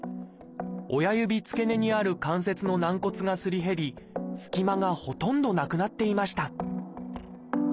親指付け根にある関節の軟骨がすり減り隙間がほとんどなくなっていました。